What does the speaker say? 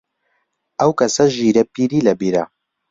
ئەو کەسە ژیرە، پیری لە بیرە